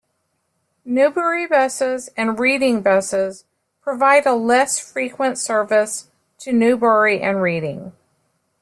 Newbury Buses and Reading Buses provide a less frequent service to Newbury and Reading.